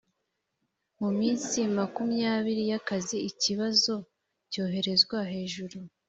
mu minsi makumyabiri y’akazi ikibazo cyoherezwa hejuru